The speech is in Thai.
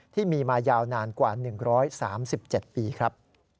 ที่มีมายาวนานกว่า๑๓๗ปีครับ